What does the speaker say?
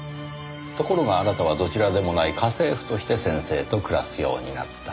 ところがあなたはどちらでもない家政婦として先生と暮らすようになった。